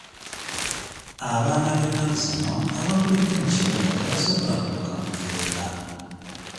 Abaana b'ennaku zino abakulidde mu kibuga tebasobola kuluka mukeeka.